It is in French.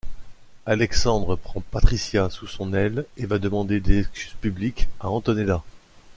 Alexandre prend Patricia sous son aile et va demander des excuses publiques à Antonella.